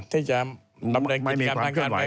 ไม่มีความเคลื่อนไหว